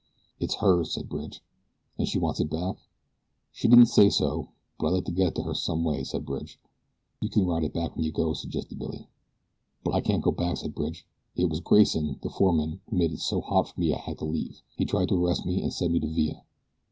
"It's hers," said Bridge. "An' she wants it back?" "She didn't say so; but I'd like to get it to her some way," said Bridge. "You ride it back when you go," suggested Billy. "But I can't go back," said Bridge; "it was Grayson, the foreman, who made it so hot for me I had to leave. He tried to arrest me and send me to Villa."